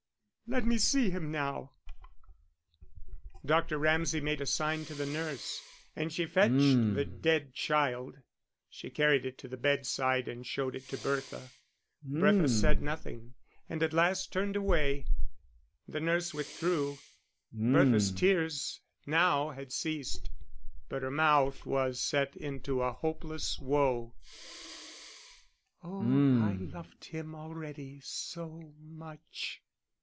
Let me see him now." Dr. Ramsay made a sign to the nurse, and she fetched the dead child. She carried it to the bedside and showed it to Bertha. Bertha said nothing, and at last turned away; the nurse withdrew. Bertha's tears now had ceased, but her mouth was set into a hopeless woe. "Oh, I loved him already so much."